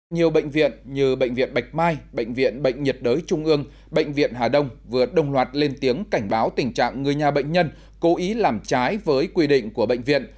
nhiều bệnh viện như bệnh viện bạch mai bệnh viện bệnh nhiệt đới trung ương bệnh viện hà đông vừa đồng loạt lên tiếng cảnh báo tình trạng người nhà bệnh nhân cố ý làm trái với quy định của bệnh viện